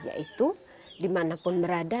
yaitu dimanapun merada